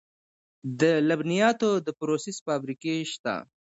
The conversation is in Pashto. د لبنیاتو د پروسس فابریکې شته